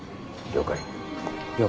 了解。